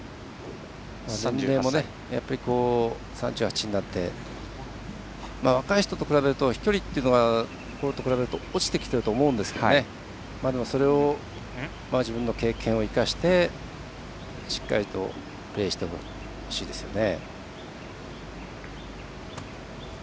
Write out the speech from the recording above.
年齢も３８になって若い人と比べると飛距離というのは落ちてきているとは思うんですがそれを自分の経験を生かしてしっかりとプレーしてほしいですよね。